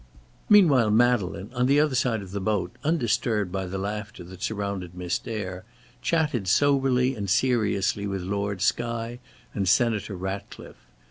Meanwhile Madeleine, on the other side of the boat, undisturbed by the laughter that surrounded Miss Dare, chatted soberly and seriously with Lord Skye and Senator Ratcliffe.